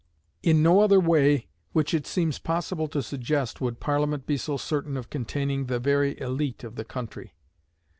In no other way which it seems possible to suggest would Parliament be so certain of containing the very élite of the country.